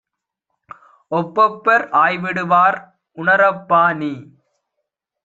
ஒப்பப்பர் ஆய்விடுவார் உணரப்பாநீ!